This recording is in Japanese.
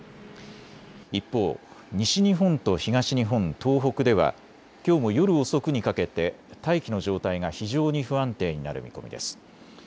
一方、西日本と東日本、東北ではきょうも夜遅くにかけて大気の状態が非常に不安定になる見込みです。